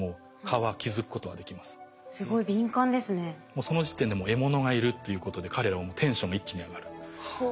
もうその時点でもう獲物がいるっていうことで彼らはもうテンションが一気に上がる。はあ。